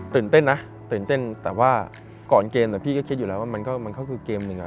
ตื่นเต้นนะตื่นเต้นแต่ว่าก่อนเกมพี่ก็คิดอยู่แล้วว่ามันก็คือเกมหนึ่ง